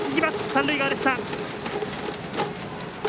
三塁側でした。